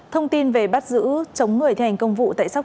thông tin về bắt giữ chống người thì hành công vụ tại sóc trọng